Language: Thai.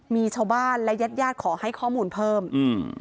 มีชาวบ้านและญาติญาติขอให้ข้อมูลเพิ่มอืม